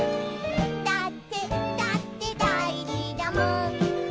「だってだってだいじだもん」